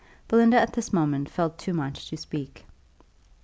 Belinda at this moment felt too much to speak.